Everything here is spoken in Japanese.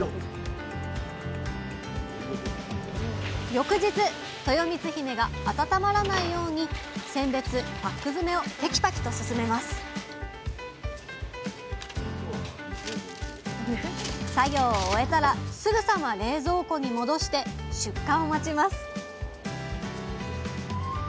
翌日とよみつひめが温まらないように選別パック詰めをてきぱきと進めます作業を終えたらすぐさま冷蔵庫に戻して出荷を待ちます